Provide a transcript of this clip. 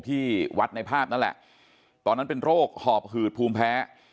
ที่วัดในภาพนั่นแหละตอนนั้นเป็นโรคหอบหืดภูมิแพ้